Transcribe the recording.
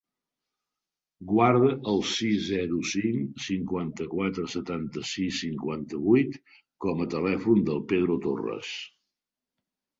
Guarda el sis, zero, cinc, cinquanta-quatre, setanta-sis, cinquanta-vuit com a telèfon del Pedro Torras.